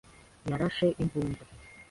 Yarashe imbunda.